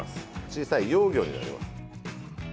小さい幼魚になります。